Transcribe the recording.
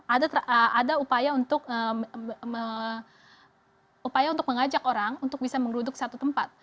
ada upaya untuk upaya untuk mengajak orang untuk bisa menggeruduk satu tempat